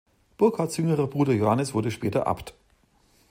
Burckhardts jüngerer Bruder Johannes wurde später Abt.